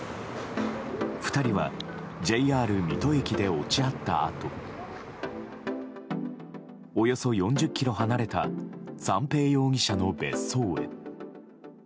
２人はＪＲ水戸駅で落ち合ったあとおよそ４０ｋｍ離れた三瓶容疑者の別荘へ。